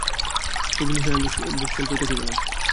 তবু নিসার আলি বুক সেলফের কাছে গেলেন।